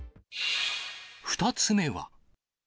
２つ目は。